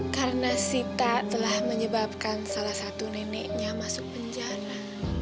karena sita telah menyebabkan salah satu neneknya masuk penjara